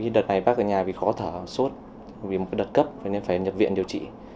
đợt này bác ở nhà vì khó thở sốt vì một đợt cấp nên phải nhập viện điều trị